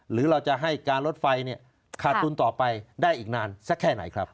หรือเราจะให้การรถไฟขาดทุนต่อไปได้อีกนานสักแค่ไหนครับ